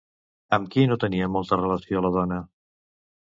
Amb qui no tenia molta relació la dona?